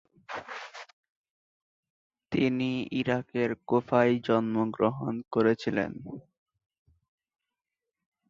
তিনি ইরাকের কুফায় জন্মগ্রহণ করেছিলেন।